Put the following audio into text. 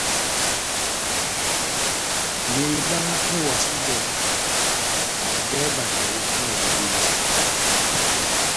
Meheba mewɔtingɛni ɛngɛ bato bahongindi.